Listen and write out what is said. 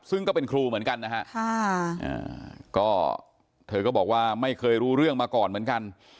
ซึ่งก็เป็นครูเหมือนกันนะฮะก็เธอก็บอกว่าไม่เคยรู้เรื่องมาก่อนเหมือนกัน